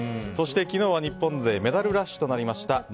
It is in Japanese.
昨日は日本勢メダルラッシュとなりました。